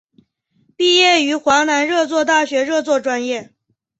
毕业于华南热作大学热作专业。